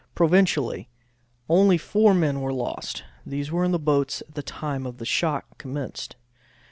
Providentially only four men were lost; these were in the boats at the time the shock commenced.